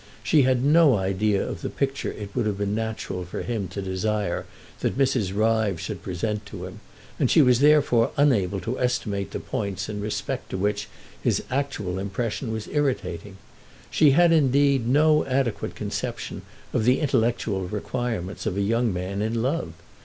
She had no idea of the picture it would have been natural for him to desire that Mrs. Ryves should present to him, and she was therefore unable to estimate the points in respect to which his actual impression was irritating. She had indeed no adequate conception of the intellectual requirements of a young man in love.